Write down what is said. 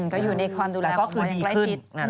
ก็อยู่ในความดูแลของพ่อยังใกล้ชิด